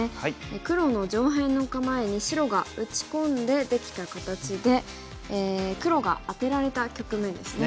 黒の上辺の構えに白が打ち込んでできた形で黒がアテられた局面ですね。